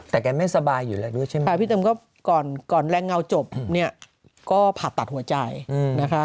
แต่แกไม่สบายอยู่แล้วด้วยใช่ไหมพี่เต็มก็ก่อนก่อนแรงเงาจบเนี่ยก็ผ่าตัดหัวใจนะคะ